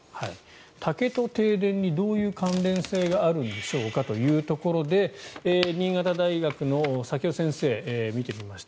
竹と停電にどういう関連性があるんでしょうかというところで新潟大学の崎尾先生見てみました。